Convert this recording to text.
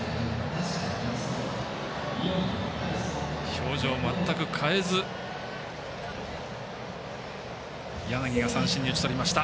表情を全く変えず柳が三振に打ち取りました。